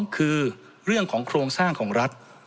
คือเรื่องของโครงสร้างของรัฐ